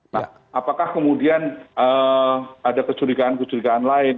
nah apakah kemudian ada kecurigaan kecurigaan lain